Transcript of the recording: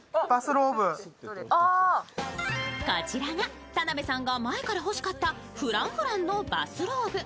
こちらが田辺さんが前から欲しかったＦｒａｎｃｆｒａｎｃのバスローブ。